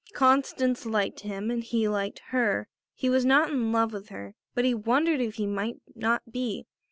Constance liked him and he liked her. He was not in love with her; but he wondered if he might not be.